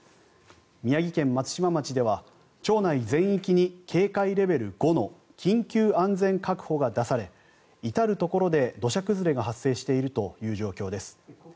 宮城県松島町では町内全域に警戒レベル５の緊急安全確保が出され至るところで土砂崩れが発生しているという状況です。